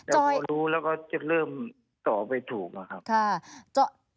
แต่พอรู้แล้วก็จะเริ่มตอบไปถูกอะครับ